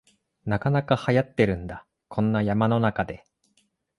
なかなかはやってるんだ、こんな山の中で